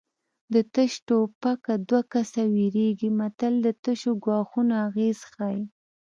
د تش ټوپکه دوه کسه ویرېږي متل د تشو ګواښونو اغېز ښيي